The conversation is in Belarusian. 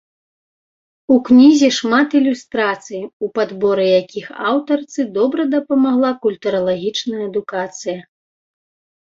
У кнізе шмат ілюстрацый, у падборы якіх аўтарцы добра дапамагла культуралагічная адукацыя.